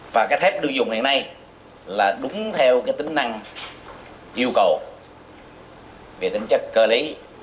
và thép được dùng hiện nay là đúng theo tính năng yêu cầu về tính chất cơ lý